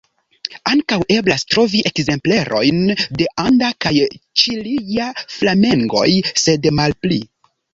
Ankaŭ eblas trovi ekzemplerojn de anda kaj ĉilia flamengoj, sed malpli.